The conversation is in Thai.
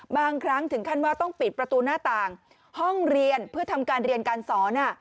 บางครั้งถึงขั้นว่าต้องปิดประตูหน้าต่างห้องเรียนเพื่อทำการเรียนการสอน